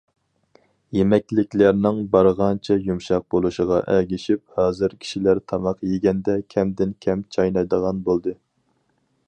يېمەكلىكلەرنىڭ بارغانچە يۇمشاق بولۇشىغا ئەگىشىپ، ھازىر كىشىلەر تاماق يېگەندە كەمدىن- كەم چاينايدىغان بولدى.